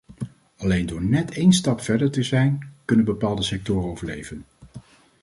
Alleen door net één stap verder te zijn kunnen bepaalde sectoren overleven.